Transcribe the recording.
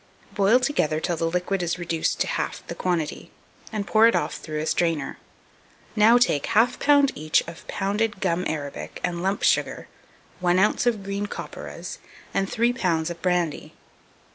Boil together till the liquid is reduced to half the quantity, and pour it off through a strainer. Now take 1/2 lb. each of pounded gum arabic and lump sugar, 1 oz. of green copperas, and 3 lbs. of brandy.